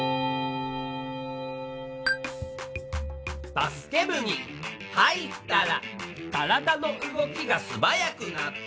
「バスケ部に入ったら」「体の動きがすばやくなって」